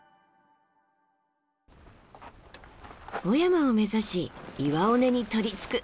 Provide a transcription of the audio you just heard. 雄山を目指し岩尾根にとりつく。